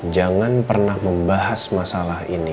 jangan pernah membahas masalah ini